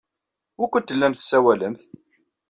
Wukud tellamt tessawalemt?